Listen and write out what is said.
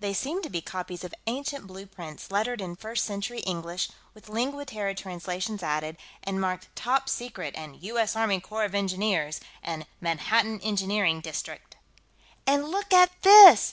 They seemed to be copies of ancient blueprints, lettered in First Century English, with Lingua Terra translations added, and marked TOP SECRET and U.S. ARMY CORPS OF ENGINEERS and MANHATTAN ENGINEERING DISTRICT. "And look at this!"